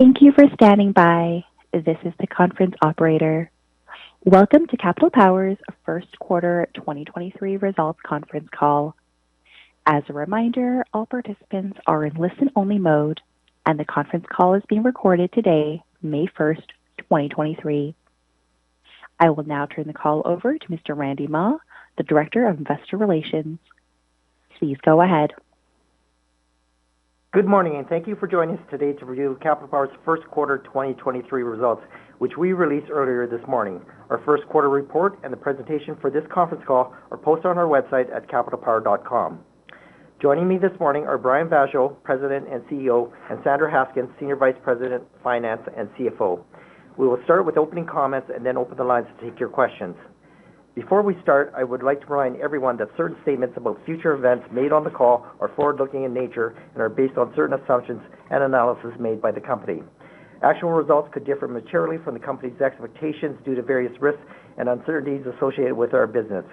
Thank you for standing by. This is the conference operator. Welcome to Capital Power's First Quarter 2023 Results Conference Call. As a reminder, all participants are in listen-only mode, and the conference call is being recorded today, May 1st, 2023. I will now turn the call over to Mr. Randy Mah, the Director of Investor Relations. Please go ahead. Good morning. Thank you for joining us today to review Capital Power's first quarter 2023 results, which we released earlier this morning. Our first quarter report and the presentation for this conference call are posted on our website at capitalpower.com. Joining me this morning are Brian Vaasjo, President and CEO, and Sandra Haskins, Senior Vice President, Finance and CFO. We will start with opening comments. Then open the lines to take your questions. Before we start, I would like to remind everyone that certain statements about future events made on the call are forward-looking in nature and are based on certain assumptions and analysis made by the company. Actual results could differ materially from the company's expectations due to various risks and uncertainties associated with our business.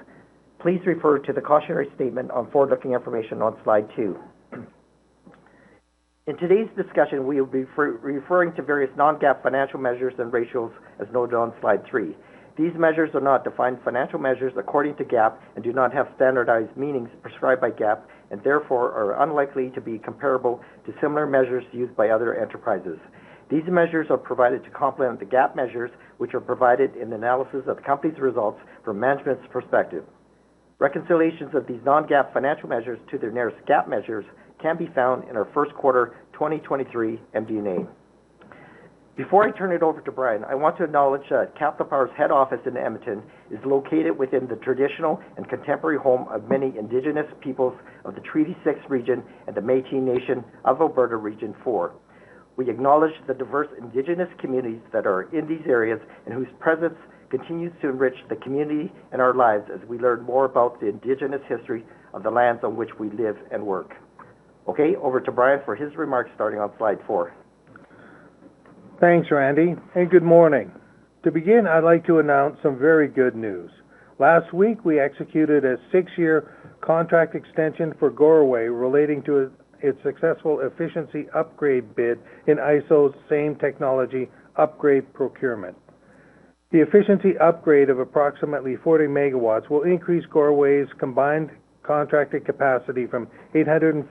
Please refer to the cautionary statement on forward-looking information on slide 2. In today's discussion, we'll be referring to various non-GAAP financial measures and ratios as noted on slide 3. These measures are not defined financial measures according to GAAP and do not have standardized meanings prescribed by GAAP and therefore are unlikely to be comparable to similar measures used by other enterprises. These measures are provided to complement the GAAP measures, which are provided in the analysis of the company's results from management's perspective. Reconciliations of these non-GAAP financial measures to their nearest GAAP measures can be found in our first quarter 2023 MD&A. Before I turn it over to Brian, I want to acknowledge that Capital Power's head office in Edmonton is located within the traditional and contemporary home of many Indigenous peoples of the Treaty 6 region and the Métis Nation of Alberta Region 4. We acknowledge the diverse Indigenous communities that are in these areas and whose presence continues to enrich the community and our lives as we learn more about the Indigenous history of the lands on which we live and work. Okay, over to Brian for his remarks starting on slide 4. Thanks, Randy. Good morning. To begin, I'd like to announce some very good news. Last week, we executed a 6-year contract extension for Goreway relating to its successful efficiency upgrade bid in IESO's Same Technology Upgrade Solicitation. The efficiency upgrade of approximately 40 MW will increase Goreway's combined contracted capacity from 840-880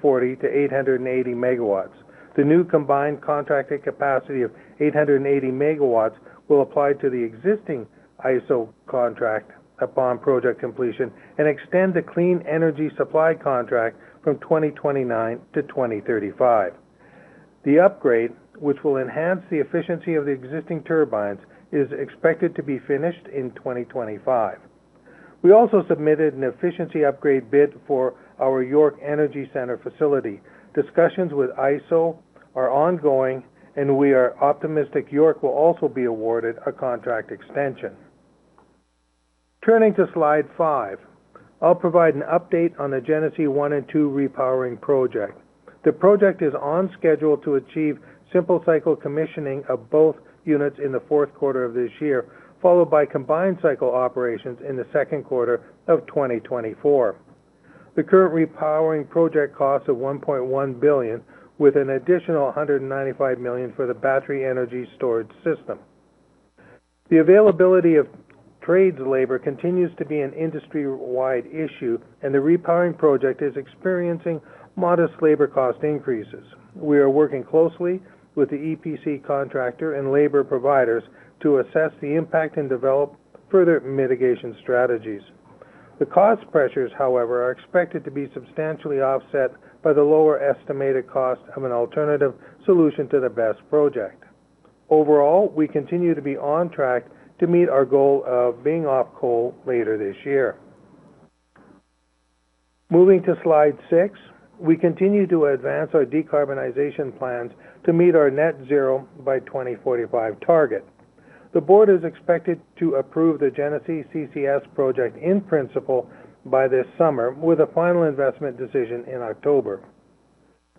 MW. The new combined contracted capacity of 880 MW will apply to the existing IESO contract upon project completion and extend the clean energy supply contract from 2029 to 2035. The upgrade, which will enhance the efficiency of the existing turbines, is expected to be finished in 2025. We also submitted an efficiency upgrade bid for our York Energy Centre facility. Discussions with IESO are ongoing, and we are optimistic York will also be awarded a contract extension. Turning to slide 5, I'll provide an update on the Genesee One and Two Repowering Project. The project is on schedule to achieve simple cycle commissioning of both units in the fourth quarter of this year, followed by combined cycle operations in the second quarter of 2024. The current repowering project costs of 1.1 billion, with an additional 195 million for the battery energy storage system. The availability of trades labor continues to be an industry-wide issue, and the repowering project is experiencing modest labor cost increases. We are working closely with the EPC contractor and labor providers to assess the impact and develop further mitigation strategies. The cost pressures, however, are expected to be substantially offset by the lower estimated cost of an alternative solution to the BESS project. Overall, we continue to be on track to meet our goal of being off coal later this year. Moving to slide 6, we continue to advance our decarbonization plans to meet our net zero by 2045 target. The board is expected to approve the Genesee CCS project in principle by this summer, with a final investment decision in October.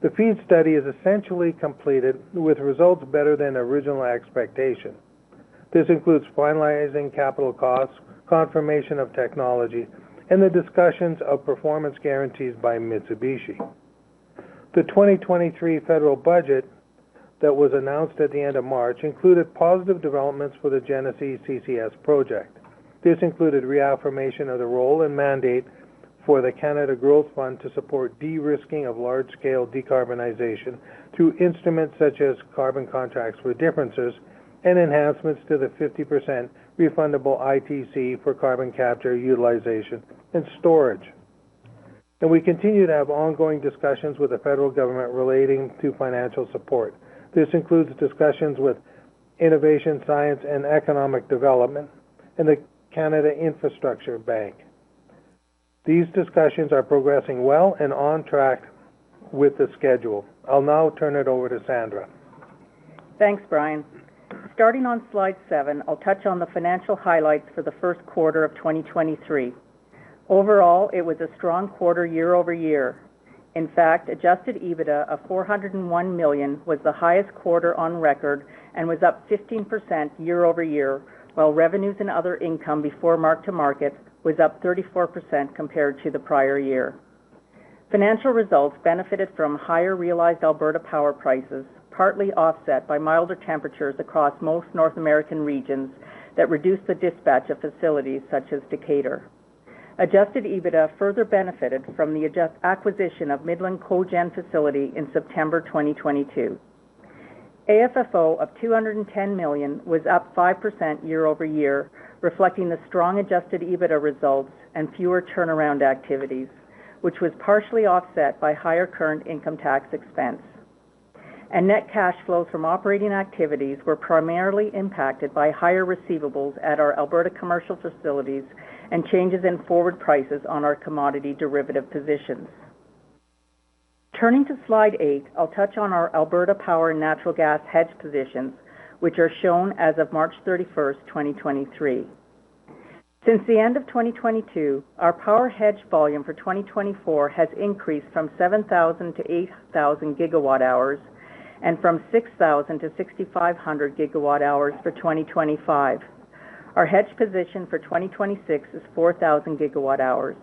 The FEED study is essentially completed with results better than original expectation. This includes finalizing capital costs, confirmation of technology, and the discussions of performance guarantees by Mitsubishi. The 2023 federal budget that was announced at the end of March included positive developments for the Genesee CCS project. This included reaffirmation of the role and mandate for the Canada Growth Fund to support de-risking of large-scale decarbonization through instruments such as carbon contracts with differences and enhancements to the 50% refundable ITC for carbon capture, utilization, and storage. We continue to have ongoing discussions with the federal government relating to financial support. This includes discussions with Innovation, Science and Economic Development Canada in the Canada Infrastructure Bank. These discussions are progressing well and on track with the schedule. I'll now turn it over to Sandra. Thanks, Brian. Starting on slide 7, I'll touch on the financial highlights for the first quarter of 2023. Overall, it was a strong quarter year-over-year. In fact, adjusted EBITDA of 401 million was the highest quarter on record and was up 15% year-over-year, while revenues and other income before mark to market was up 34% compared to the prior year. Financial results benefited from higher realized Alberta power prices, partly offset by milder temperatures across most North American regions that reduced the dispatch of facilities such as Decatur. Adjusted EBITDA further benefited from the acquisition of Midland Cogen facility in September 2022. AFFO of $210 million was up 5% year-over-year, reflecting the strong adjusted EBITDA results and fewer turnaround activities, which was partially offset by higher current income tax expense. Net cash flows from operating activities were primarily impacted by higher receivables at our Alberta commercial facilities and changes in forward prices on our commodity derivative positions. Turning to slide 8, I'll touch on our Alberta Power and Natural Gas hedge positions, which are shown as of March 31st, 2023. Since the end of 2022, our power hedge volume for 2024 has increased from 7,000-8,000 GW hours and from 6,000-6,500 GW hours for 2025. Our hedge position for 2026 is 4,000 gigawatt hours.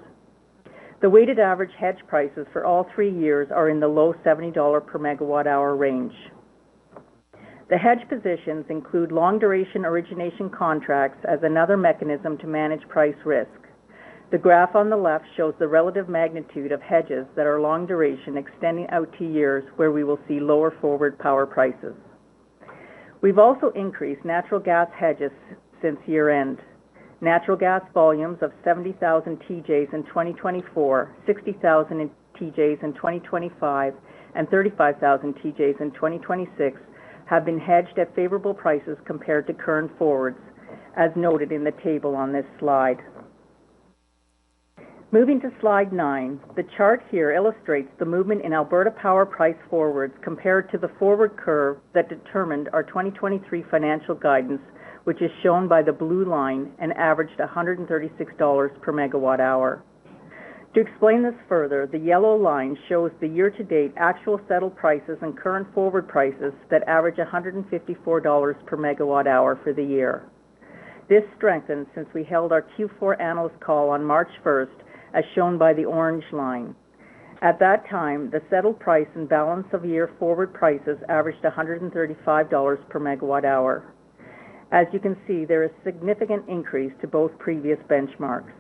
The weighted average hedge prices for all three years are in the low $70 per megawatt hour range. The hedge positions include long-duration origination contracts as another mechanism to manage price risk. The graph on the left shows the relative magnitude of hedges that are long duration extending out to years where we will see lower forward power prices. We've also increased natural gas hedges since year-end. Natural gas volumes of 70,000 TJs in 2024, 60,000 in TJs in 2025, and 35,000 TJs in 2026 have been hedged at favorable prices compared to current forwards, as noted in the table on this slide. Moving to slide 9. The chart here illustrates the movement in Alberta power price forwards compared to the forward curve that determined our 2023 financial guidance, which is shown by the blue line and averaged 136 dollars per megawatt hour. To explain this further, the yellow line shows the year-to-date actual settled prices and current forward prices that average 154 dollars per megawatt hour for the year. This strengthened since we held our Q4 analyst call on March 1st, as shown by the orange line. At that time, the settled price and balance of year forward prices averaged 135 dollars per MW hour. As you can see, there is significant increase to both previous benchmarks.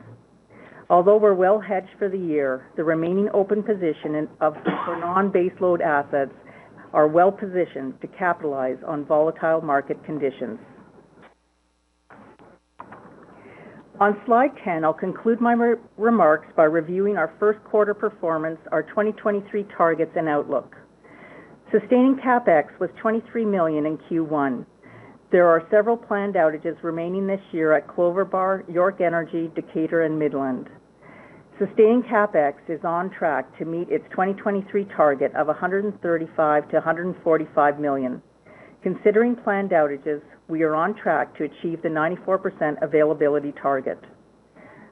Although we're well hedged for the year, the remaining open position of our non-baseload assets are well positioned to capitalize on volatile market conditions. On slide 10, I'll conclude my remarks by reviewing our first quarter performance, our 2023 targets and outlook. Sustaining CapEx was 23 million in Q1. There are several planned outages remaining this year at Clover Bar, York Energy, Decatur, and Midland. Sustaining CapEx is on track to meet its 2023 target of 135 million-145 million. Considering planned outages, we are on track to achieve the 94% availability target.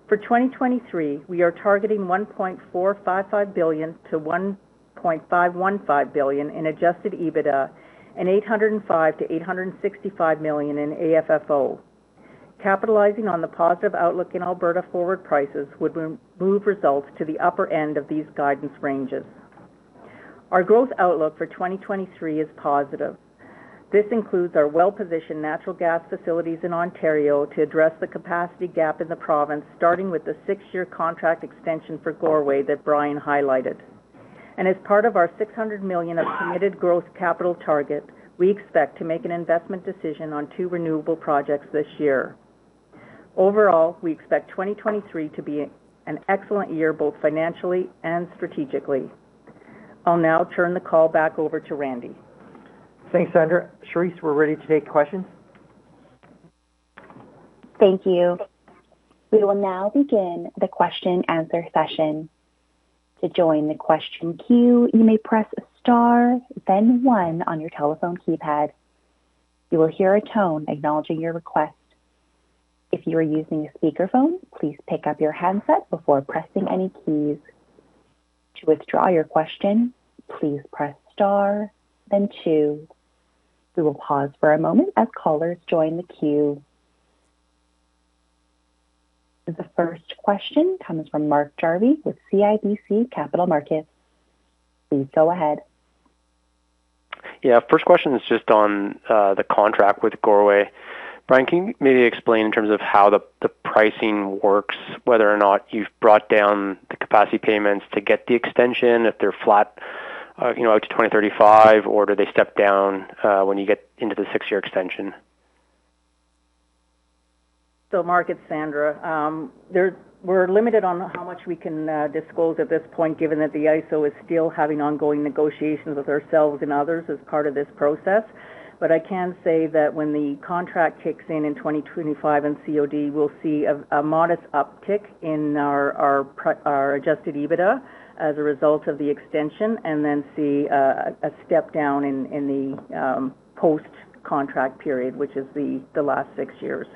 For 2023, we are targeting 1.455 billion-1.515 billion in adjusted EBITDA and 805 million-865 million in AFFO. Capitalizing on the positive outlook in Alberta forward prices would move results to the upper end of these guidance ranges. Our growth outlook for 2023 is positive. This includes our well-positioned natural gas facilities in Ontario to address the capacity gap in the province, starting with the six-year contract extension for Goreway that Brian highlighted. As part of our 600 million of committed growth capital target, we expect to make an investment decision on 2 renewable projects this year. Overall, we expect 2023 to be an excellent year, both financially and strategically. I'll now turn the call back over to Randy. Thanks, Sandra. Charisse, we're ready to take questions. Thank you. We will now begin the question-answer session. To join the question queue, you may press Star, then 1 on your telephone keypad. You will hear a tone acknowledging your request. If you are using a speakerphone, please pick up your handset before pressing any keys. To withdraw your question, please press Star then 2. We will pause for a moment as callers join the queue. The first question comes from Mark Jarvi with CIBC Capital Markets. Please go ahead. Yeah. First question is just on the contract with Goreway. Brian, can you maybe explain in terms of how the pricing works, whether or not you've brought down the capacity payments to get the extension, if they're flat, you know, to 2035, or do they step down when you get into the six-year extension? Mark, it's Sandra. We're limited on how much we can disclose at this point, given that the AESO is still having ongoing negotiations with ourselves and others as part of this process. I can say that when the contract kicks in in 2025 and COD, we'll see a modest uptick in our adjusted EBITDA as a result of the extension and then see a step down in the post-contract period, which is the last six years.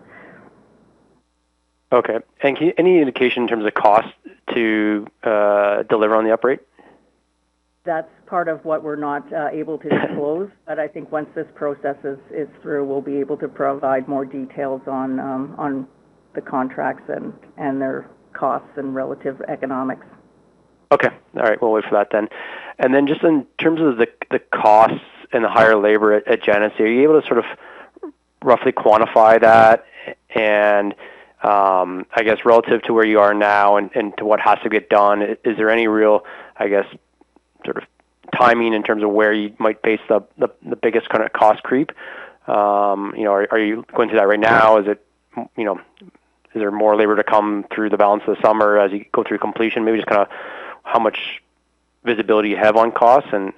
Okay. Any indication in terms of cost to deliver on the upgrade? That's part of what we're not able to disclose. I think once this process is through, we'll be able to provide more details on the contracts and their costs and relative economics. Okay. All right. We'll wait for that then. Just in terms of the costs and the higher labor at Genesee, are you able to sort of roughly quantify that? I guess relative to where you are now and to what has to get done, is there any real, I guess, sort of timing in terms of where you might face the biggest kind of cost creep? You know, are you going through that right now? Is it, you know, is there more labor to come through the balance of the summer as you go through completion? Maybe just kinda how much visibility you have on costs and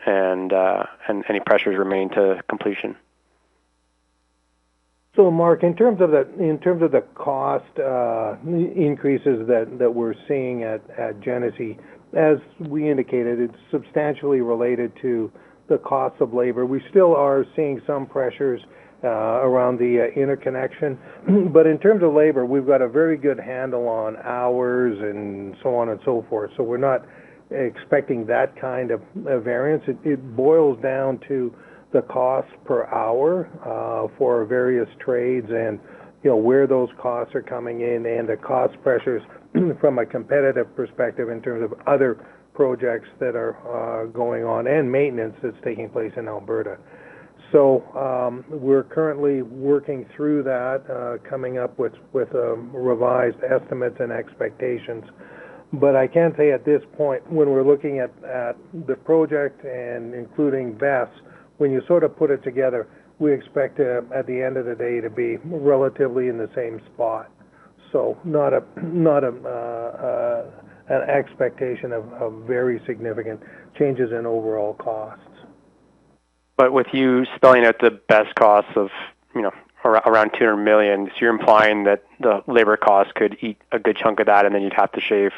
any pressures remain to completion? Mark, in terms of the cost increases that we're seeing at Genesee, as we indicated, it's substantially related to the cost of labor. We still are seeing some pressures around the interconnection. In terms of labor, we've got a very good handle on hours and so on and so forth. We're not expecting that kind of variance. It boils down to the cost per hour for various trades and, you know, where those costs are coming in and the cost pressures from a competitive perspective in terms of other projects that are going on, and maintenance that's taking place in Alberta. We're currently working through that coming up with revised estimates and expectations. I can say at this point, when we're looking at the project and including BESS, when you sort of put it together, we expect it, at the end of the day, to be relatively in the same spot. Not an expectation of very significant changes in overall costs. With you spelling out the BESS costs of, you know, around 200 million, so you're implying that the labor costs could eat a good chunk of that, and then you'd have to shave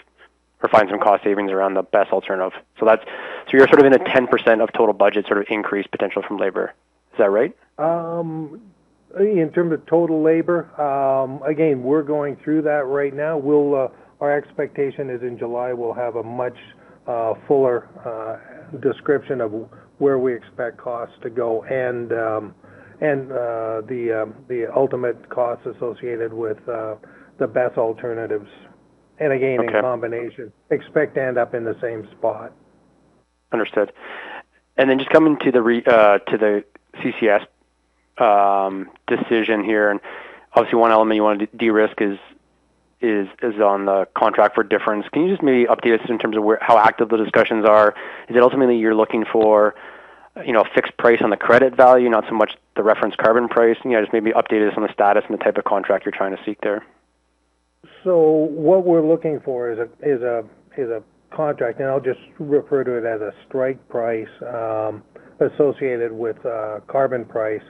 or find some cost savings around the BESS alternative. You're sort of in a 10% of total budget sort of increase potential from labor. Is that right? In terms of total labor, again, we're going through that right now. Our expectation is in July, we'll have a much fuller description of where we expect costs to go and the ultimate costs associated with the BESS alternatives. And again. Okay. In combination, expect to end up in the same spot. Understood. Just coming to the CCS decision here. Obviously one element you want to derisk is on the contract for difference. Can you just maybe update us in terms of how active the discussions are? Is it ultimately you're looking for, you know, fixed price on the credit value, not so much the reference carbon pricing? Just maybe update us on the status and the type of contract you're trying to seek there. What we're looking for is a contract, and I'll just refer to it as a strike price, associated with carbon price.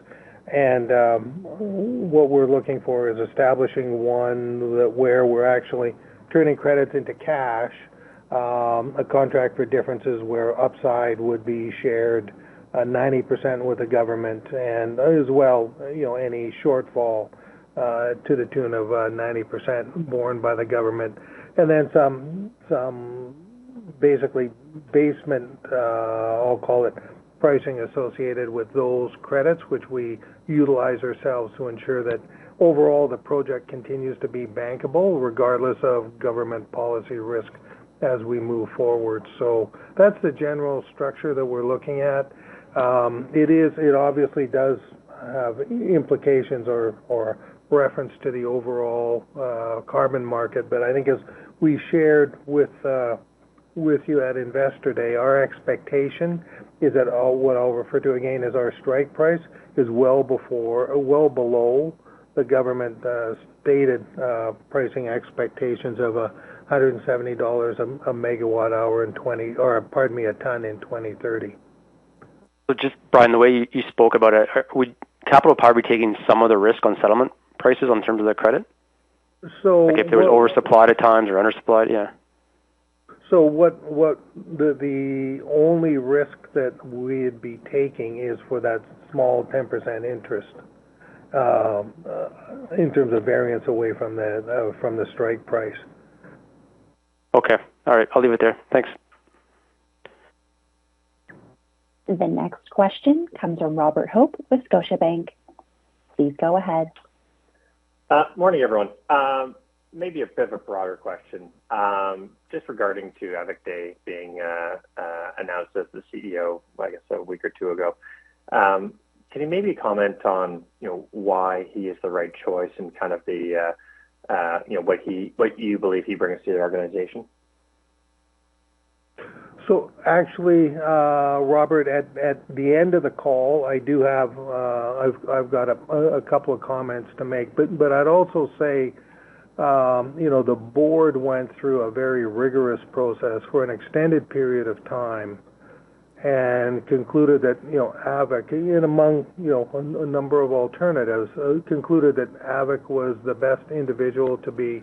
What we're looking for is establishing one where we're actually turning credits into cash. A contract for difference is where upside would be shared, 90% with the government and as well, you know, any shortfall, to the tune of 90% borne by the government. Then some basically basement, I'll call it, pricing associated with those credits, which we utilize ourselves to ensure that overall the project continues to be bankable regardless of government policy risk as we move forward. That's the general structure that we're looking at. It obviously does have implications or reference to the overall carbon market. I think as we shared with you at Investor Day, our expectation is that what I'll refer to again as our strike price is well below the government stated pricing expectations of 170 dollars a ton in 2030. Just, Brian, the way you spoke about it, would Capital Power be taking some of the risk on settlement prices in terms of their credit? So- Like if there was oversupply at times or undersupply, yeah. The only risk that we'd be taking is for that small 10% interest in terms of variance away from the from the strike price. Okay. All right. I'll leave it there. Thanks. The next question comes from Robert Hope with Scotiabank. Please go ahead. Morning, everyone. Maybe a bit of a broader question, just regarding to Avik Dey being announced as the CEO, like I said, a week or two ago. Can you maybe comment on, you know, why he is the right choice and kind of the, you know, what you believe he brings to the organization? Actually, Robert, at the end of the call, I do have, I've got a couple of comments to make. I'd also say, you know, the board went through a very rigorous process for an extended period of time and concluded that, you know, Avik, and among, you know, a number of alternatives, concluded that Avik was the best individual to be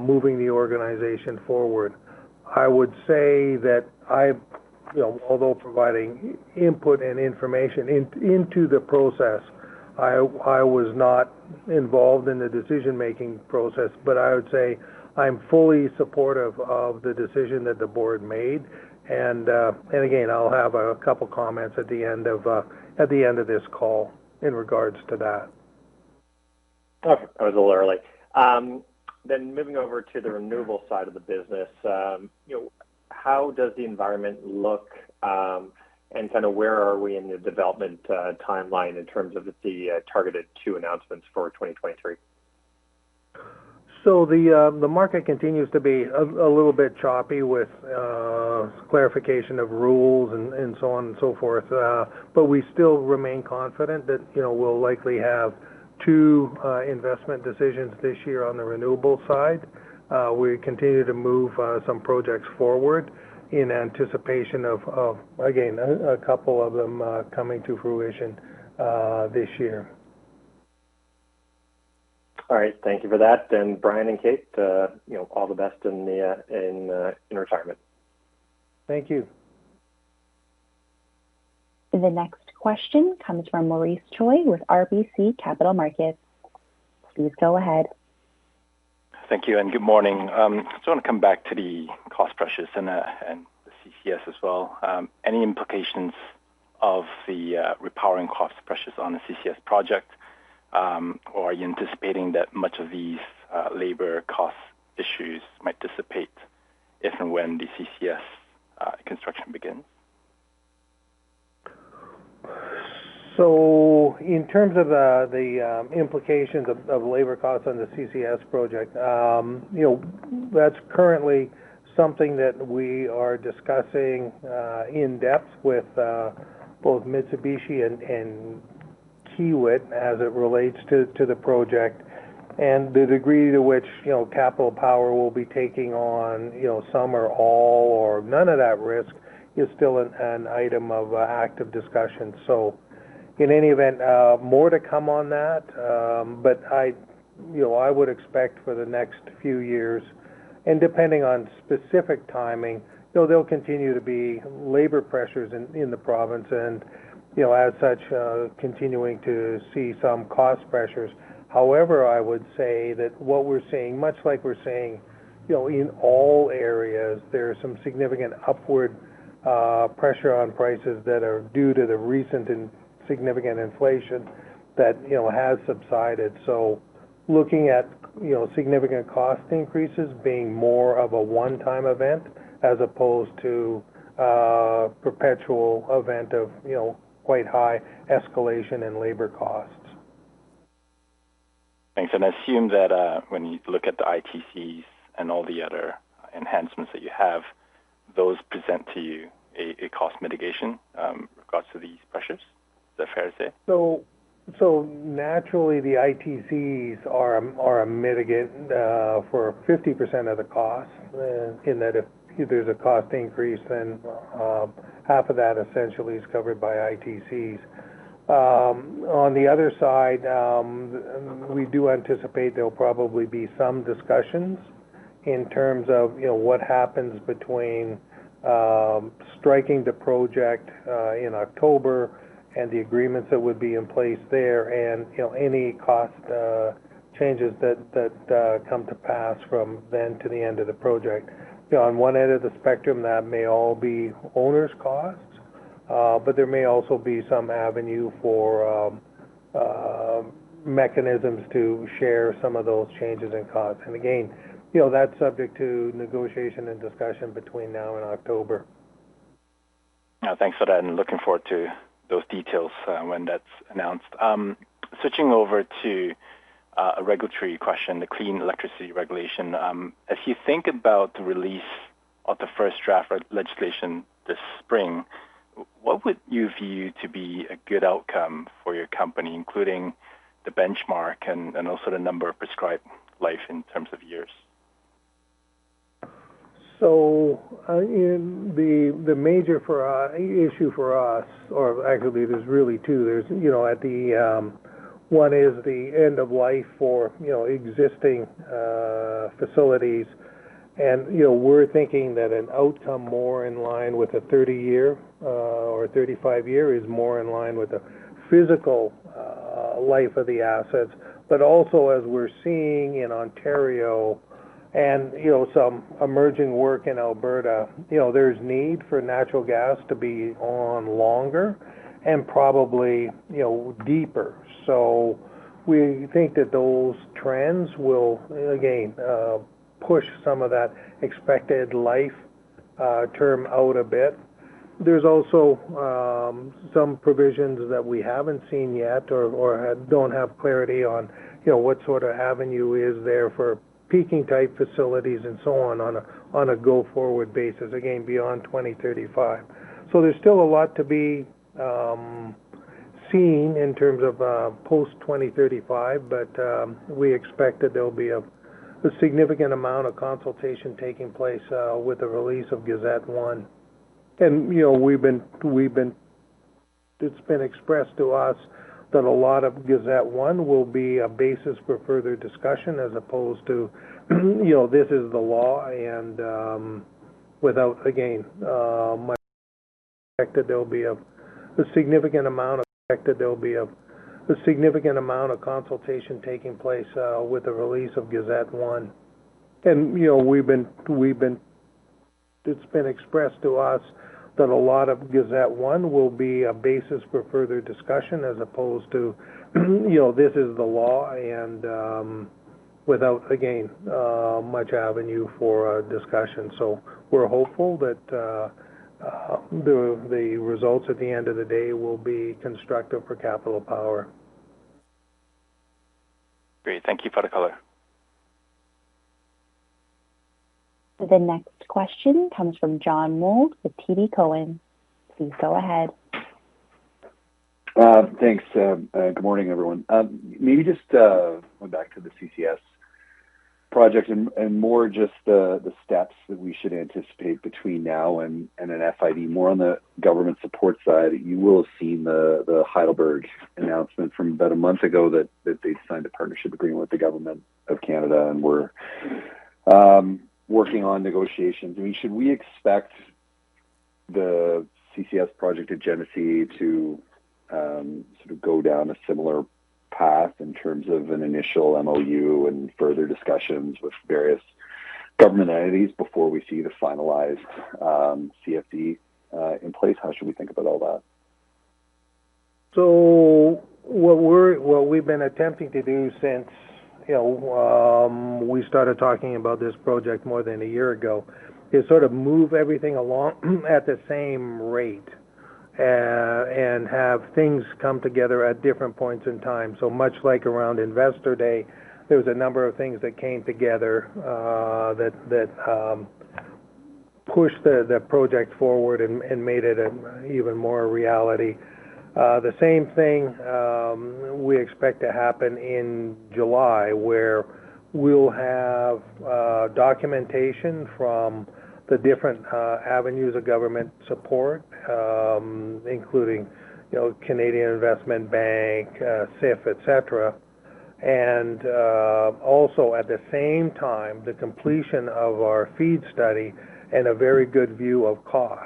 moving the organization forward. I would say that I've, you know, although providing input and information into the process, I was not involved in the decision-making process, but I would say I'm fully supportive of the decision that the board made. Again, I'll have a couple of comments at the end of, at the end of this call in regards to that. Okay. I was a little early. Moving over to the renewable side of the business, you know, how does the environment look, and kind of where are we in the development timeline in terms of the targeted two announcements for 2023? The market continues to be a little bit choppy with clarification of rules and so on and so forth. We still remain confident that, you know, we'll likely have two investment decisions this year on the renewable side. We continue to move some projects forward in anticipation of again, a couple of them coming to fruition this year. All right. Thank you for that. Brian and Keith, you know, all the best in the, in retirement. Thank you. The next question comes from Maurice Choy with RBC Capital Markets. Please go ahead. Thank you and good morning. Just wanna come back to the cost pressures and the CCS as well. Any implications of the repowering cost pressures on the CCS project, or are you anticipating that much of these labor cost issues might dissipate if and when the CCS construction begins? In terms of the implications of labor costs on the CCS project, you know, that's currently something that we are discussing in depth with both Mitsubishi and Kiewit as it relates to the project. The degree to which, you know, Capital Power will be taking on, you know, some or all or none of that risk is still an item of active discussion. In any event, more to come on that. I, you know, I would expect for the next few years, and depending on specific timing, you know, there'll continue to be labor pressures in the province and, you know, as such, continuing to see some cost pressures. I would say that what we're seeing, much like we're seeing, you know, in all areas, there are some significant upward pressure on prices that are due to the recent and significant inflation that, you know, has subsided. Looking at, you know, significant cost increases being more of a one-time event as opposed to a perpetual event of, you know, quite high escalation in labor costs. Thanks. I assume that when you look at the ITCs and all the other enhancements that you have, those present to you a cost mitigation in regards to these pressures. Is that fair to say? Naturally, the ITCs are a mitigant for 50% of the cost in that if there's a cost increase, then half of that essentially is covered by ITCs. On the other side, we do anticipate there'll probably be some discussions in terms of, you know, what happens between striking the project in October and the agreements that would be in place there and, you know, any cost changes that come to pass from then to the end of the project. You know, on one end of the spectrum, that may all be owners' costs, but there may also be some avenue for mechanisms to share some of those changes in costs. Again, you know, that's subject to negotiation and discussion between now and October. Thanks for that, looking forward to those details when that's announced. Switching over to a regulatory question, the Clean Electricity Regulations. As you think about the release of the first draft legislation this spring, what would you view to be a good outcome for your company, including the benchmark and also the number of prescribed life in terms of years? In the major issue for us, or actually there's really two. There's, you know, at the, one is the end of life for, you know, existing facilities. You know, we're thinking that an outcome more in line with a 30-year or a 35-year is more in line with the physical life of the assets. Also, as we're seeing in Ontario and, you know, some emerging work in Alberta, you know, there's need for natural gas to be on longer and probably, you know, deeper. We think that those trends will, again, push some of that expected life term out a bit. There's also some provisions that we haven't seen yet or don't have clarity on, you know, what sort of avenue is there for peaking-type facilities and so on a go-forward basis, again, beyond 2035. There's still a lot to be seen in terms of post 2035, but we expect that there'll be a significant amount of consultation taking place with the release of Gazette One. You know, we've been it's been expressed to us that a lot of Gazette One will be a basis for further discussion as opposed to, you know, this is the law and without, again, expect that there'll be a significant amount of consultation taking place with the release of Gazette One. you know, we've been It's been expressed to us that a lot of Gazette One will be a basis for further discussion as opposed to, you know, this is the law and, without, again, much avenue for a discussion. We're hopeful that the results at the end of the day will be constructive for Capital Power. Great. Thank you for the color. The next question comes from John Mould with TD Cowen. Please go ahead. Thanks, good morning, everyone. Maybe just going back to the CCS project and more just the steps that we should anticipate between now and an FID. More on the government support side, you will have seen the Heidelberg announcement from about a month ago that they signed a partnership agreement with the Government of Canada, and we're working on negotiations. I mean, should we expect the CCS project at Genesee to sort of go down a similar path in terms of an initial MOU and further discussions with various government entities before we see the finalized CFD in place? How should we think about all that? What we've been attempting to do since, you know, we started talking about this project more than a year ago, is sort of move everything along at the same rate and have things come together at different points in time. Much like around Investor Day, there was a number of things that came together that pushed the project forward and made it an even more a reality. The same thing we expect to happen in July, where we'll have documentation from the different avenues of government support, including, you know, Canada Infrastructure Bank, SIF, et cetera. Also at the same time, the completion of our FEED study and a very good view of cost.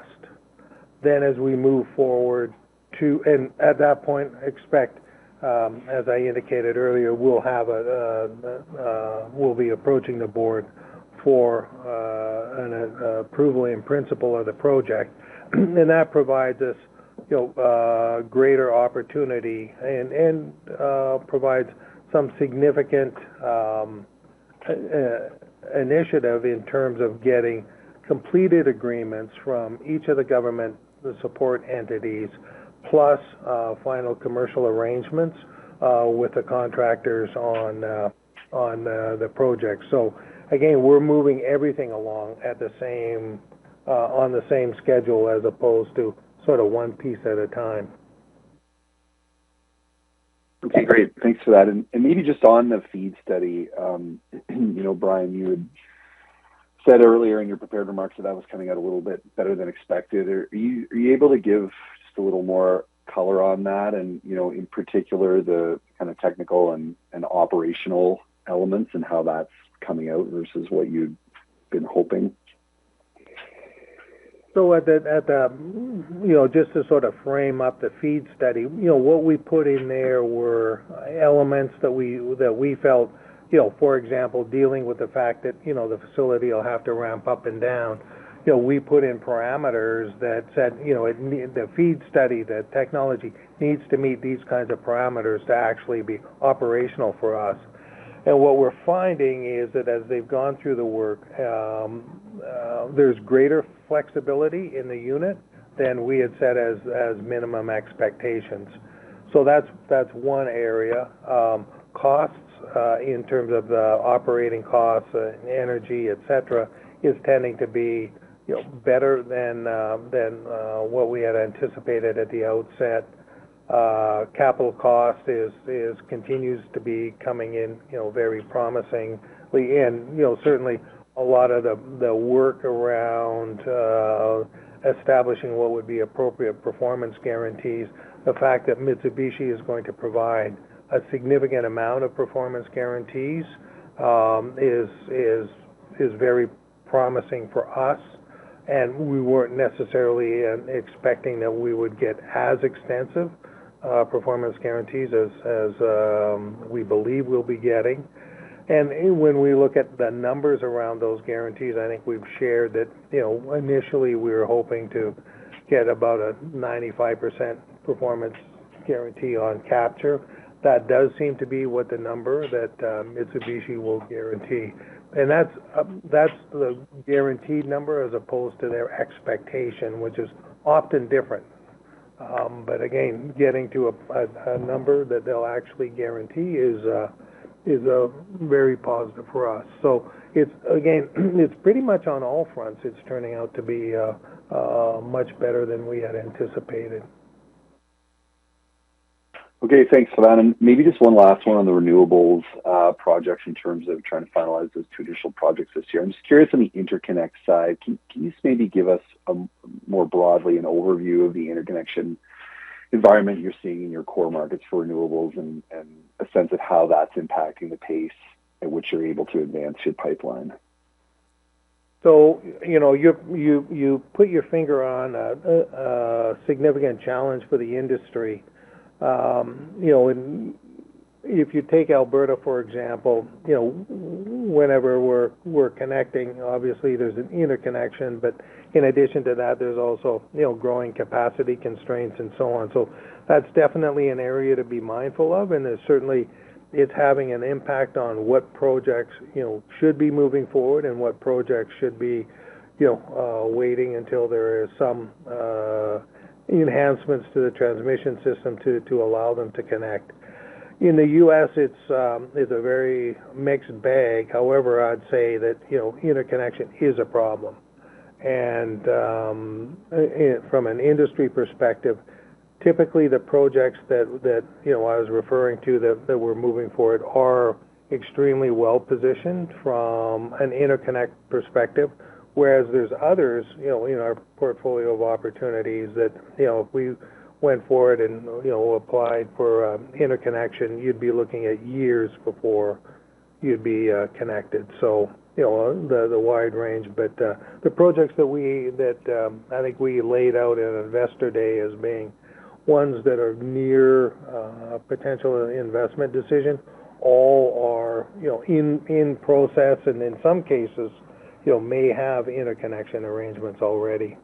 As we move forward to. At that point, expect, as I indicated earlier, we'll have a we'll be approaching the board for an approval in principle of the project. That provides us, you know, greater opportunity and provides some significant initiative in terms of getting completed agreements from each of the government, the support entities, plus final commercial arrangements with the contractors on the project. Again, we're moving everything along at the same on the same schedule as opposed to sort of one piece at a time. Okay, great. Thanks for that. Maybe just on the FEED study, you know, Brian, you had said earlier in your prepared remarks that that was coming out a little bit better than expected. Are you able to give just a little more color on that and, you know, in particular, the kind of technical and operational elements and how that's coming out versus what you'd been hoping? You know, just to sort of frame up the FEED study. You know, what we put in there were elements that we, that we felt, you know, for example, dealing with the fact that, you know, the facility will have to ramp up and down. You know, we put in parameters that said, you know, the FEED study, the technology needs to meet these kinds of parameters to actually be operational for us. What we're finding is that as they've gone through the work, there's greater flexibility in the unit than we had set as minimum expectations. That's one area. Costs in terms of the operating costs, energy, et cetera, is tending to be, you know, better than what we had anticipated at the outset. Capital cost continues to be coming in, you know, very promisingly. You know, certainly a lot of the work around establishing what would be appropriate performance guarantees. The fact that Mitsubishi is going to provide a significant amount of performance guarantees is very promising for us. We weren't necessarily expecting that we would get as extensive performance guarantees as we believe we'll be getting. When we look at the numbers around those guarantees, I think we've shared that, you know, initially, we were hoping to get about a 95% performance guarantee on capture. That does seem to be what the number that Mitsubishi will guarantee. That's the guaranteed number as opposed to their expectation, which is often different. Again, getting to a number that they'll actually guarantee is very positive for us. It's, again, it's pretty much on all fronts. It's turning out to be much better than we had anticipated. Okay. Thanks for that. Maybe just one last one on the renewables projects in terms of trying to finalize those two additional projects this year. I'm just curious on the interconnect side. Can you just maybe give us more broadly an overview of the interconnection environment you're seeing in your core markets for renewables and a sense of how that's impacting the pace at which you're able to advance your pipeline? You know, you put your finger on a significant challenge for the industry. You know, if you take Alberta, for example, you know, whenever we're connecting, obviously there's an interconnection. In addition to that, there's also, you know, growing capacity constraints and so on. That's definitely an area to be mindful of. It certainly is having an impact on what projects, you know, should be moving forward and what projects should be, you know, waiting until there is some enhancements to the transmission system to allow them to connect. In the U.S., it's a very mixed bag. However, I'd say that, you know, interconnection is a problem. From an industry perspective, typically the projects that, you know, I was referring to that we're moving forward are extremely well-positioned from an interconnect perspective, whereas there's others, you know, in our portfolio of opportunities that, you know, if we went forward and, you know, applied for interconnection, you'd be looking at years before you'd be connected. You know, the wide range. The projects that I think we laid out at Investor Day as being ones that are near potential investment decision all are, you know, in process and in some cases, you know, may have interconnection arrangements already.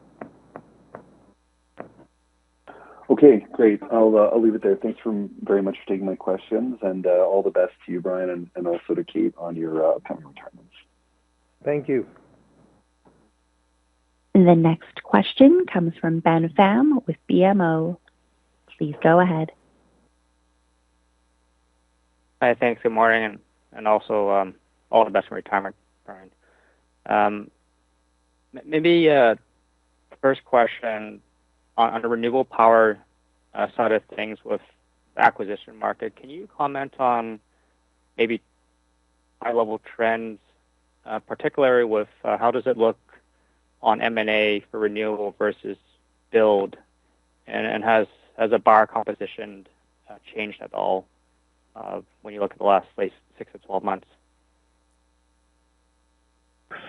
Okay, great. I'll leave it there. Thanks very much for taking my questions and all the best to you, Brian, and also to Keith on your pending retirement. Thank you. The next question comes from Benjamin Pham with BMO. Please go ahead. Hi. Thanks. Good morning, and also, all the best in retirement, Brian. Maybe, first question on the renewable power side of things with acquisition market. Can you comment on maybe high-level trends, particularly with, how does it look on M&A for renewable versus build? Has the buyer composition changed at all, when you look at the last, say, six to 12 months?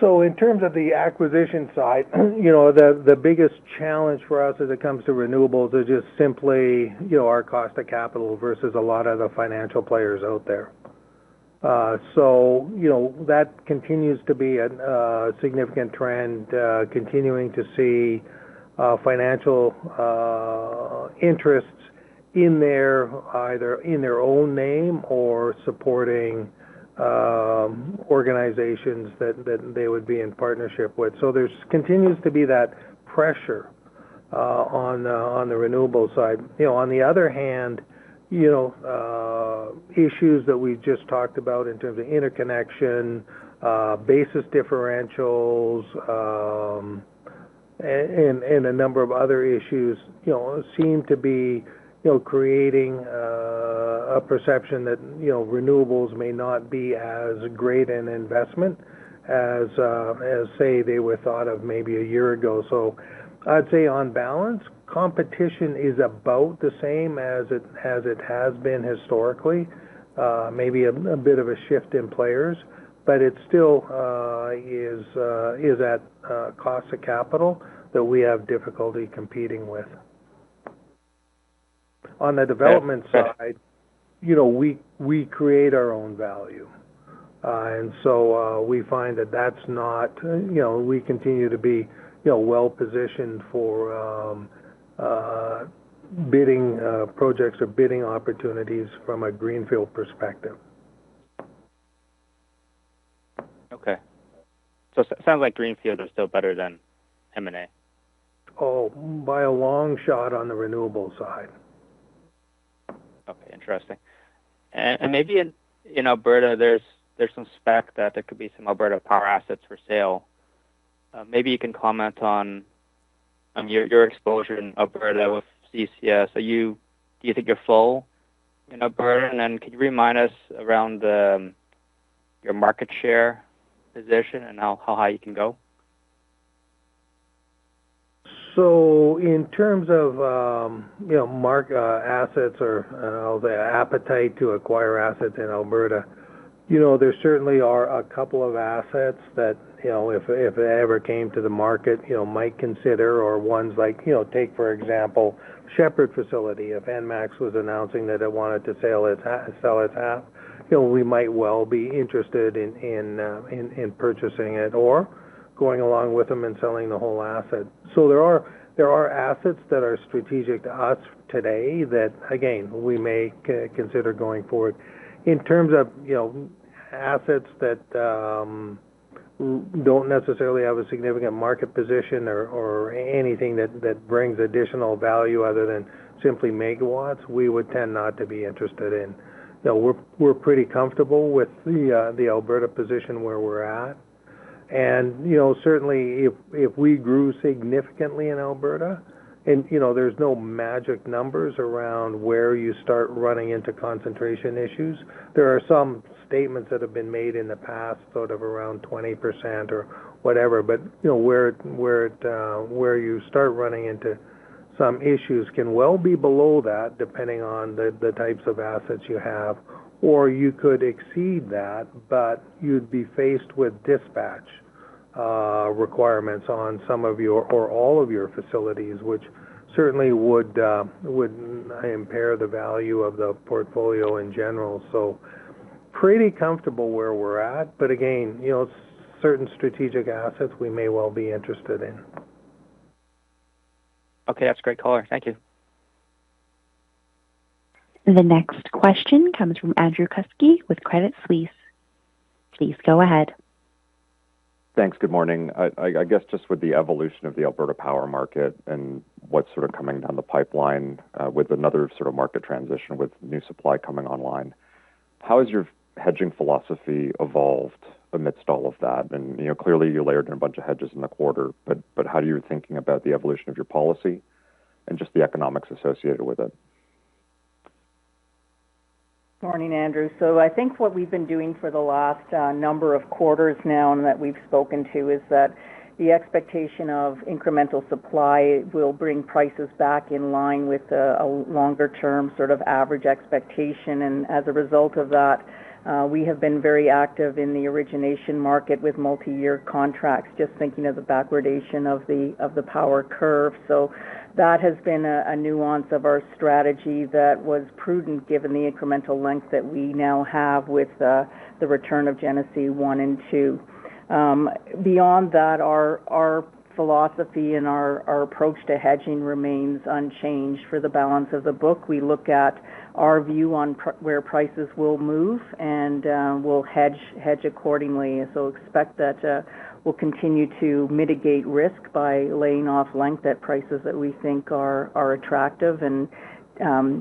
In terms of the acquisition side, you know, the biggest challenge for us as it comes to renewables is just simply, you know, our cost of capital versus a lot of the financial players out there. You know, that continues to be a significant trend, continuing to see financial interests either in their own name or supporting organizations that they would be in partnership with. There's continues to be that pressure on on the renewables side. You know, on the other hand, you know, issues that we just talked about in terms of interconnection, basis differentials, and a number of other issues, you know, seem to be, you know, creating a perception that, you know, renewables may not be as great an investment as, say, they were thought of maybe a year ago. I'd say on balance, competition is about the same as it has been historically. Maybe a bit of a shift in players, but it still is at cost of capital that we have difficulty competing with. On the development side, you know, we create our own value. We find that, you know, we continue to be, you know, well-positioned for bidding projects or bidding opportunities from a greenfield perspective. Okay. sounds like greenfield is still better than M&A. Oh, by a long shot on the renewables side. Okay, interesting. Maybe in Alberta, there's some spec that there could be some Alberta power assets for sale. Maybe you can comment on your exposure in Alberta with CCS. Do you think you're full in Alberta? Could you remind us around your market share position and how high you can go? In terms of, you know, mark assets or the appetite to acquire assets in Alberta, you know, there certainly are a couple of assets that, you know, if they ever came to the market, you know, might consider or ones like, you know, take, for example, Shepard Facility. If ENMAX was announcing that it wanted to sell its half, you know, we might well be interested in purchasing it or going along with them and selling the whole asset. There are assets that are strategic to us today that, again, we may consider going forward. In terms of, you know, assets that don't necessarily have a significant market position or anything that brings additional value other than simply megawatts, we would tend not to be interested in. You know, we're pretty comfortable with the Alberta position where we're at. You know, certainly if we grew significantly in Alberta, and, you know, there's no magic numbers around where you start running into concentration issues. There are some statements that have been made in the past, sort of around 20% or whatever. You know, where it, where you start running into some issues can well be below that depending on the types of assets you have. Or you could exceed that, but you'd be faced with dispatch requirements on some of your or all of your facilities, which certainly would impair the value of the portfolio in general. Pretty comfortable where we're at. Again, you know, certain strategic assets we may well be interested in. Okay, that's great, Colin. Thank you. The next question comes from Andrew Kuske with Credit Suisse. Please go ahead. Thanks. Good morning. I guess just with the evolution of the Alberta power market and what's sort of coming down the pipeline, with another sort of market transition with new supply coming online, how has your hedging philosophy evolved amidst all of that? You know, clearly you layered in a bunch of hedges in the quarter, but how are you thinking about the evolution of your policy and just the economics associated with it? Morning, Andrew. I think what we've been doing for the last number of quarters now and that we've spoken to is that the expectation of incremental supply will bring prices back in line with a longer-term sort of average expectation. As a result of that, we have been very active in the origination market with multiyear contracts, just thinking of the backwardation of the, of the power curve. That has been a nuance of our strategy that was prudent given the incremental length that we now have with the return of Genesee one and two. Beyond that, our philosophy and our approach to hedging remains unchanged for the balance of the book. We look at our view on where prices will move, and we'll hedge accordingly. Expect that, we'll continue to mitigate risk by laying off length at prices that we think are attractive and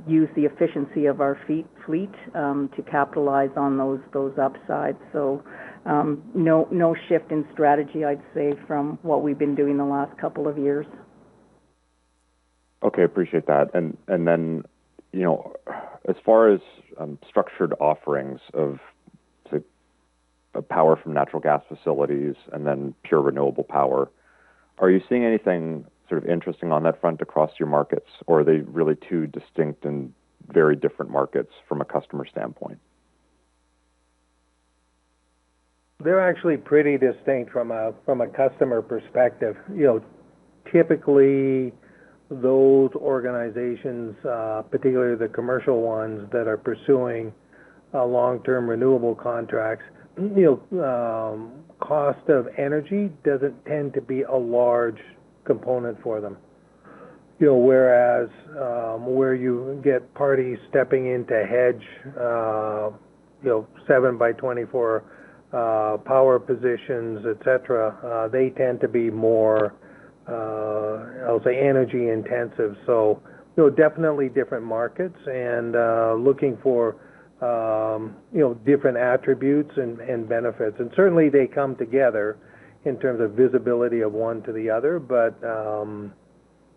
use the efficiency of our fleet to capitalize on those upsides. No shift in strategy, I'd say, from what we've been doing the last couple of years. Okay. Appreciate that. And then, you know, as far as structured offerings of the power from natural gas facilities and then pure renewable power, are you seeing anything sort of interesting on that front across your markets? Or are they really two distinct and very different markets from a customer standpoint? They're actually pretty distinct from a customer perspective. You know, typically those organizations, particularly the commercial ones that are pursuing long-term renewable contracts, you know, cost of energy doesn't tend to be a large component for them. You know, whereas, where you get parties stepping in to hedge, you know, 7x24 power positions, et cetera, they tend to be more, I would say, energy-intensive. So, you know, definitely different markets and looking for, you know, different attributes and benefits. Certainly they come together in terms of visibility of one to the other, but,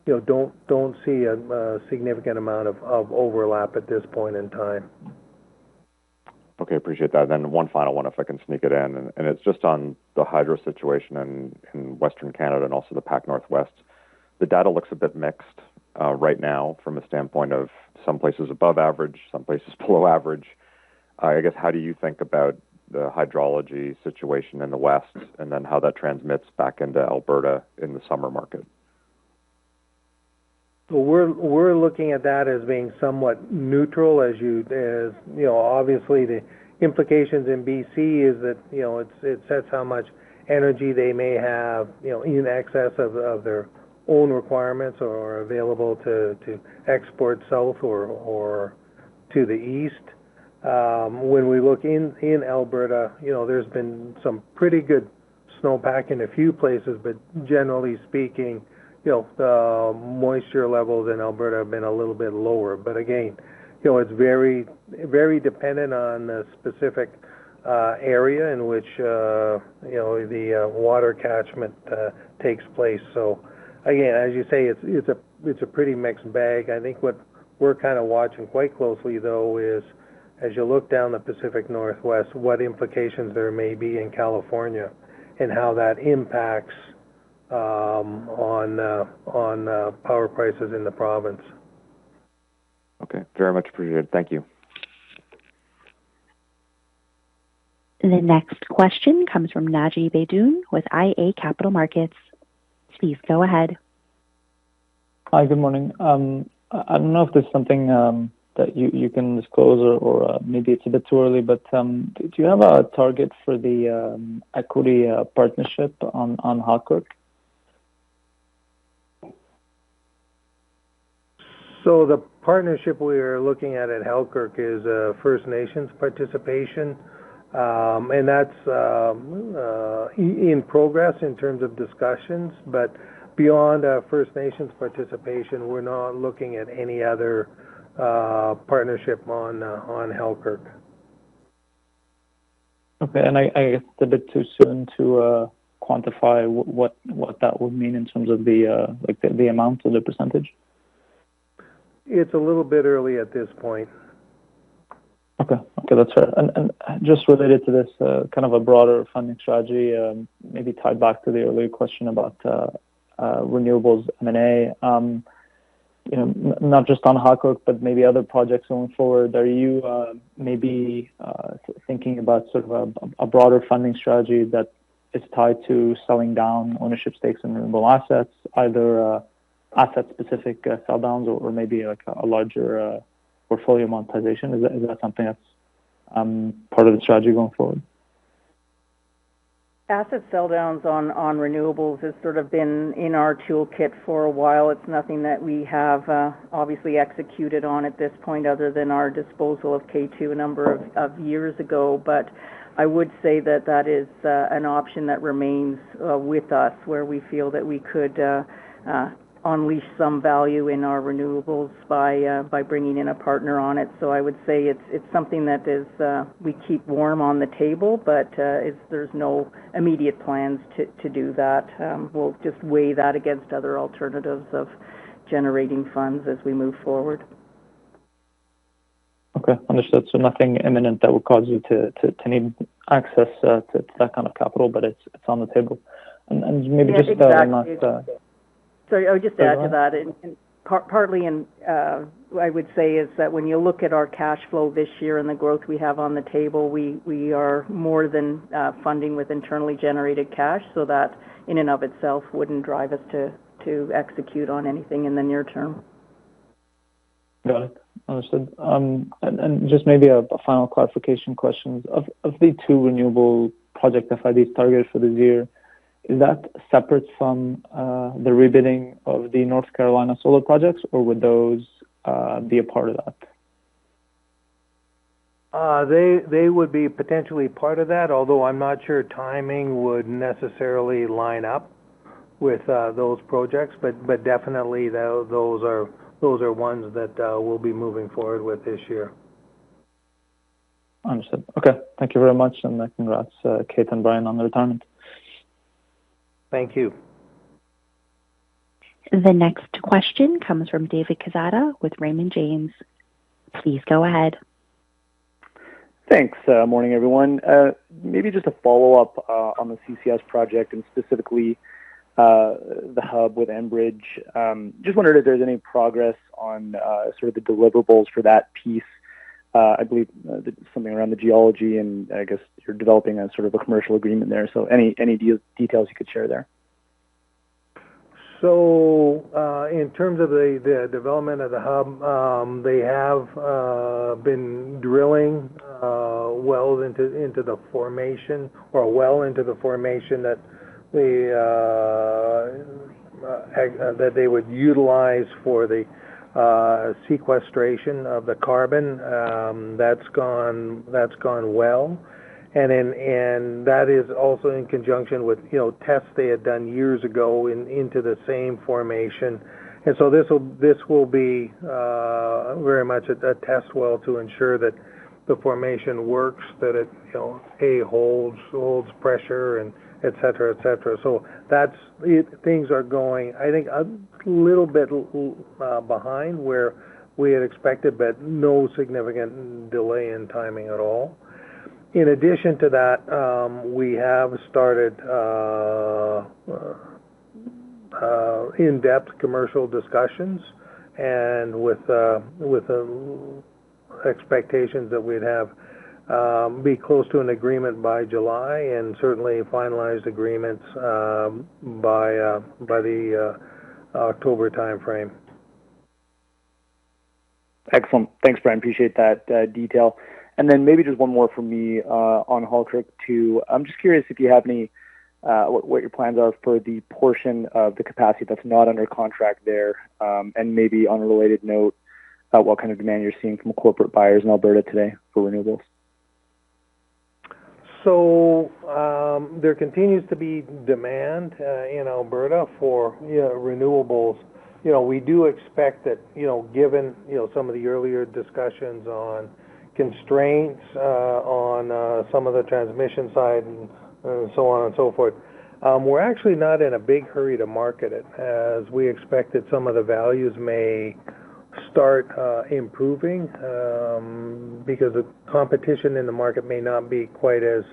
you know, don't see a significant amount of overlap at this point in time. Okay. Appreciate that. One final one, if I can sneak it in. It's just on the hydro situation in Western Canada and also the Pac-Northwest. The data looks a bit mixed, right now from a standpoint of some places above average, some places below average. I guess, how do you think about the hydrology situation in the West, and then how that transmits back into Alberta in the summer market? We're looking at that as being somewhat neutral, as, you know, obviously the implications in BC is that, you know, it sets how much energy they may have, you know, in excess of their own requirements or available to export south or to the east. When we look in Alberta, you know, there's been some pretty good snowpack in a few places, generally speaking, you know, the moisture levels in Alberta have been a little bit lower. Again, you know, it's very dependent on the specific area in which, you know, the water catchment takes place. Again, as you say, it's a pretty mixed bag. I think what we're kind of watching quite closely, though, is as you look down the Pacific Northwest, what implications there may be in California and how that impacts on power prices in the province. Okay. Very much appreciated. Thank you. The next question comes from Naji Baydoun with iA Capital Markets. Please go ahead. Hi. Good morning. I don't know if there's something that you can disclose or maybe it's a bit too early. Do you have a target for the equity partnership on Halkirk 2? The partnership we are looking at at Halkirk is First Nations participation. That's in progress in terms of discussions. Beyond First Nations participation, we're not looking at any other partnership on Halkirk. Okay. I guess it's a bit too soon to quantify what that would mean in terms of the, like, the amount or the percentage? It's a little bit early at this point. Okay, that's fair. Just related to this, kind of a broader funding strategy, maybe tied back to the earlier question about renewables M&A. You know, not just on Halkirk, but maybe other projects going forward. Are you maybe thinking about sort of a broader funding strategy that is tied to selling down ownership stakes in renewable assets, either asset-specific sell downs or maybe like a larger portfolio monetization? Is that something that's part of the strategy going forward? Asset sell downs on renewables has sort of been in our toolkit for a while. It's nothing that we have obviously executed on at this point other than our disposal of K2 a number of years ago. I would say that that is an option that remains with us, where we feel that we could unleash some value in our renewables by bringing in a partner on it. I would say it's something that is we keep warm on the table, but there's no immediate plans to do that. We'll just weigh that against other alternatives of generating funds as we move forward. Understood. Nothing imminent that would cause you to need access to that kind of capital, but it's on the table. Maybe just about on that. Yeah, exactly. Sorry, I would just add to that. Go ahead. Partly, I would say is that when you look at our cash flow this year and the growth we have on the table, we are more than funding with internally generated cash. That, in and of itself, wouldn't drive us to execute on anything in the near term. Got it. Understood. Just maybe a final clarification question. Of the two renewable project FID targets for this year, is that separate from the rebidding of the North Carolina solar projects, or would those be a part of that? They would be potentially part of that, although I'm not sure timing would necessarily line up with those projects. Definitely, those are ones that we'll be moving forward with this year. Understood. Okay. Thank you very much. Congrats, Keith and Brian, on the retirement. Thank you. The next question comes from David Quezada with Raymond James. Please go ahead. Thanks. Morning, everyone. Maybe just a follow-up on the CCS project and specifically the hub with Enbridge. Just wondering if there's any progress on sort of the deliverables for that piece. I believe something around the geology, and I guess you're developing a sort of a commercial agreement there. Any details you could share there? In terms of the development of the hub, they have been drilling wells into the formation or a well into the formation that they would utilize for the sequestration of the carbon. That's gone well. That is also in conjunction with, you know, tests they had done years ago into the same formation. This will be very much a test well to ensure that the formation works, that it, you know, A, holds pressure and et cetera, et cetera. Things are going, I think, a little bit behind where we had expected, but no significant delay in timing at all. In addition to that, we have started in-depth commercial discussions and with expectations that we'd have be close to an agreement by July and certainly finalized agreements by the October timeframe. Excellent. Thanks, Brian. Appreciate that detail. Then maybe just one more from me on Halkirk 2. I'm just curious if you have any what your plans are for the portion of the capacity that's not under contract there? Maybe on a related note, what kind of demand you're seeing from corporate buyers in Alberta today for renewables? There continues to be demand in Alberta for, you know, renewables. You know, we do expect that, you know, given, you know, some of the earlier discussions on constraints on some of the transmission side and so on and so forth. We're actually not in a big hurry to market it, as we expect that some of the values may start improving because the competition in the market may not be quite as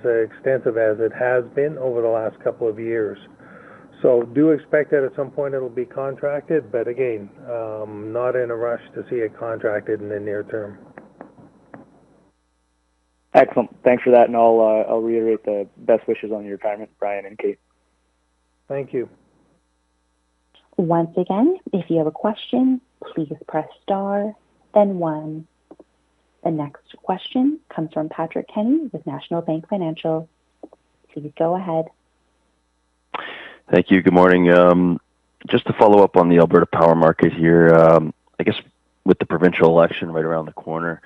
extensive as it has been over the last couple of years. Do expect that at some point it'll be contracted, but again, not in a rush to see it contracted in the near term. Excellent. Thanks for that. I'll reiterate the best wishes on your retirement, Brian and Keith. Thank you. Once again, if you have a question, please press star then one. The next question comes from Patrick Kenny with National Bank Financial. Please go ahead. Thank you. Good morning. Just to follow up on the Alberta power market here. I guess with the provincial election right around the corner,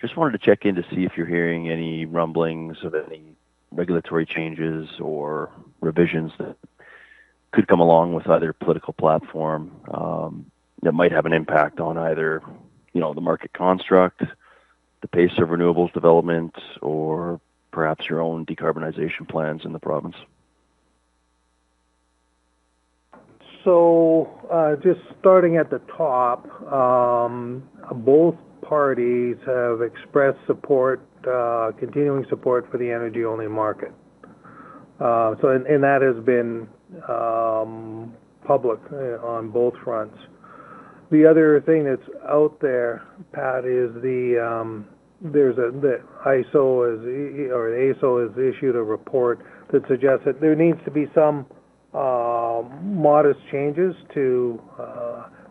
just wanted to check in to see if you're hearing any rumblings of any regulatory changes or revisions that could come along with either political platform, that might have an impact on either, you know, the market construct, the pace of renewables development, or perhaps your own decarbonization plans in the province. Just starting at the top, both parties have expressed support, continuing support for the energy-only market. That has been public on both fronts. The other thing that's out there, Pat, is the, there's the AESO is, or AESO has issued a report that suggests that there needs to be some modest changes to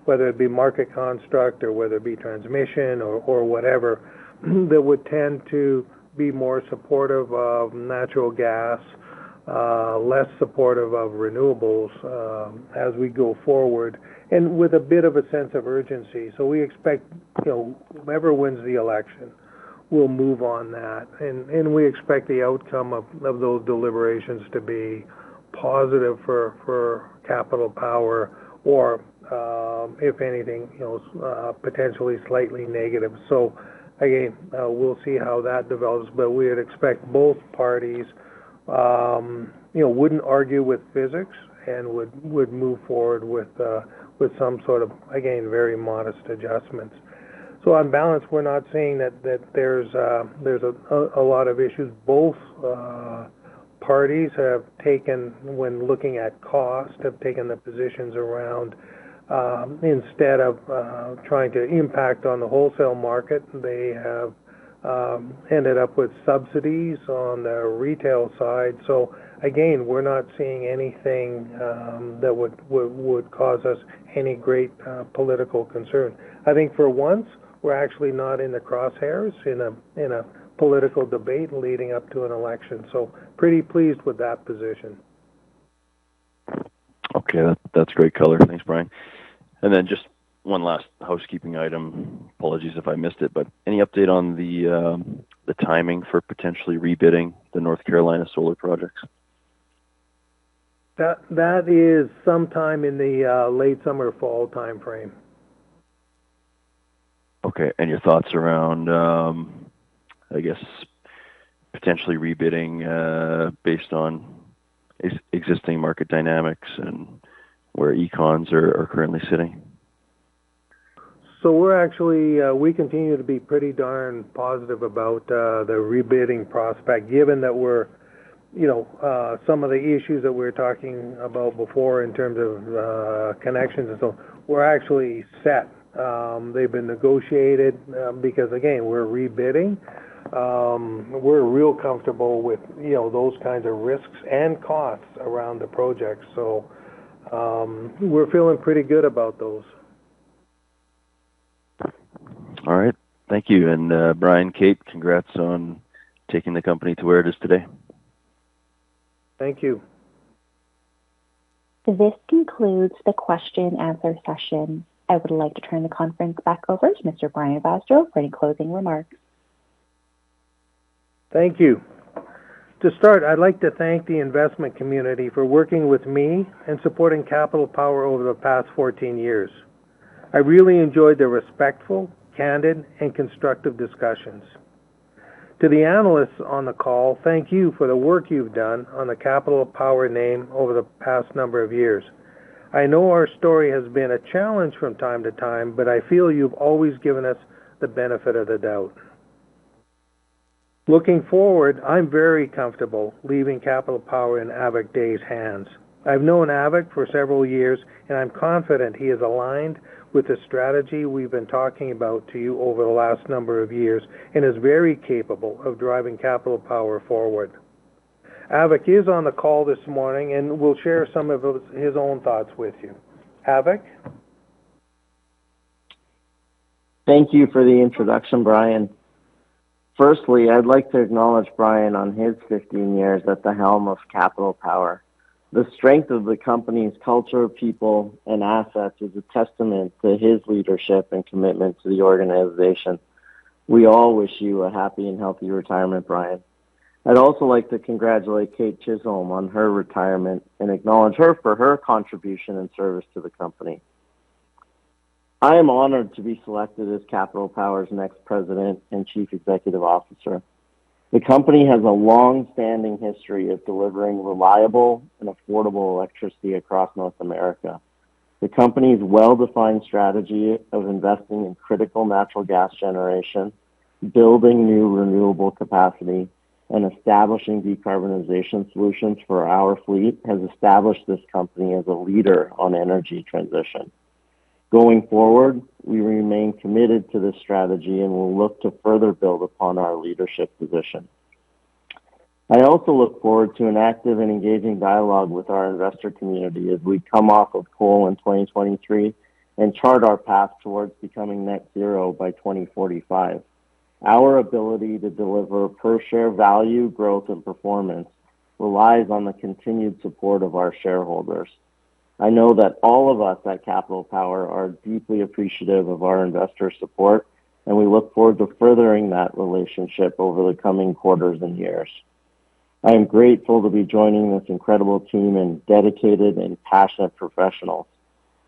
whether it be market construct or whether it be transmission or whatever, that would tend to be more supportive of natural gas, less supportive of renewables, as we go forward, and with a bit of a sense of urgency. We expect, you know, whomever wins the election will move on that. We expect the outcome of those deliberations to be positive for Capital Power or, if anything, you know, potentially slightly negative. Again, we'll see how that develops. We'd expect both parties, you know, wouldn't argue with physics and would move forward with some sort of, again, very modest adjustments. On balance, we're not seeing there's a lot of issues. Both parties have taken, when looking at cost, have taken the positions around, instead of trying to impact on the wholesale market, they have ended up with subsidies on the retail side. Again, we're not seeing anything that would cause us any great political concern. I think for once, we're actually not in the crosshairs in a political debate leading up to an election. Pretty pleased with that position. Okay. That's great color. Thanks, Brian. Just one last housekeeping item. Apologies if I missed it. Any update on the timing for potentially rebidding the North Carolina solar projects? That is sometime in the late summer, fall timeframe. Okay. Your thoughts around, I guess, potentially rebidding, based on existing market dynamics and where econs are currently sitting? We're actually, we continue to be pretty darn positive about the rebidding prospect, given that we're, you know, some of the issues that we were talking about before in terms of connections and so on. We're actually set. They've been negotiated, because again, we're rebidding. We're real comfortable with, you know, those kinds of risks and costs around the project. We're feeling pretty good about those. All right. Thank you. Brian Vaasjo, congrats on taking the company to where it is today. Thank you. This concludes the question and answer session. I would like to turn the conference back over to Mr. Brian Vaasjo for any closing remarks. Thank you. To start, I'd like to thank the investment community for working with me and supporting Capital Power over the past 14 years. I really enjoyed the respectful, candid, and constructive discussions. To the analysts on the call, thank you for the work you've done on the Capital Power name over the past number of years. I know our story has been a challenge from time to time, but I feel you've always given us the benefit of the doubt. Looking forward, I'm very comfortable leaving Capital Power in Avik Dey's hands. I've known Avik for several years, and I'm confident he is aligned with the strategy we've been talking about to you over the last number of years and is very capable of driving Capital Power forward. Avik is on the call this morning and will share some of his own thoughts with you. Avik? Thank you for the introduction, Brian. Firstly, I'd like to acknowledge Brian on his 15 years at the helm of Capital Power. The strength of the company's culture, people, and assets is a testament to his leadership and commitment to the organization. We all wish you a happy and healthy retirement, Brian. I'd also like to congratulate Keith Chisholm on her retirement and acknowledge her for her contribution and service to the company. I am honored to be selected as Capital Power's next president and chief executive officer. The company has a long-standing history of delivering reliable and affordable electricity across North America. The company's well-defined strategy of investing in critical natural gas generation, building new renewable capacity, and establishing decarbonization solutions for our fleet has established this company as a leader on energy transition. Going forward, we remain committed to this strategy. We'll look to further build upon our leadership position. I also look forward to an active and engaging dialogue with our investor community as we come off of coal in 2023 and chart our path towards becoming net zero by 2045. Our ability to deliver per-share value, growth, and performance relies on the continued support of our shareholders. I know that all of us at Capital Power are deeply appreciative of our investors' support. We look forward to furthering that relationship over the coming quarters and years. I am grateful to be joining this incredible team and dedicated and passionate professionals.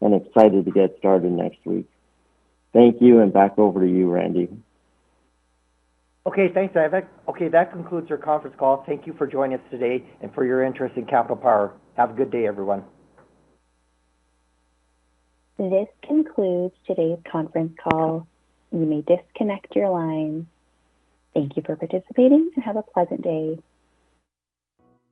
Excited to get started next week. Thank you. Back over to you, Randy. Okay. Thanks, Avik. Okay, that concludes our conference call. Thank you for joining us today and for your interest in Capital Power. Have a good day, everyone. This concludes today's conference call. You may disconnect your line. Thank you for participating. Have a pleasant day.